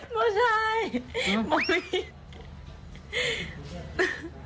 โมชายโมมี่